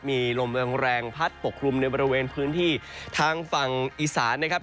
มีลมแรงพัดปกคลุมในบริเวณพื้นที่ทางฝั่งอีสานนะครับ